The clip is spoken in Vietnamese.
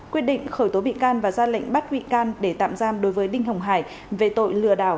quyết định khởi tố bị can và ra lệnh bắt bị can để tạm giam đối với đinh hồng hải về tội lừa đảo